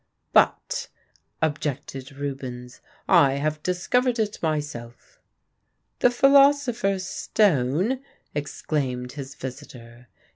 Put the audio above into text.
"But," objected Rubens, "I have discovered it myself." "The philosopher's stone?" exclaimed his visitor.